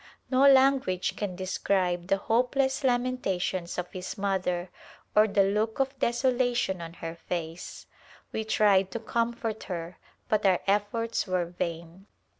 No language can describe the hopeless lamentations of his mother or the look of desolation on her face ; we tried to comfort her but our efforts were vain.